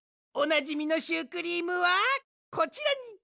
おなじみのシュークリームはこちらに！